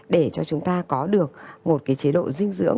để cho chúng ta có được một cái chế độ dinh dưỡng